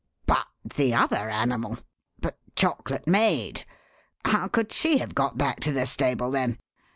"But the other animal? But Chocolate Maid? How could she have got back to the stable, then?